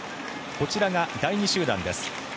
こちらが第２集団です。